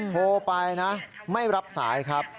โทรไปนะไม่รับสายครับ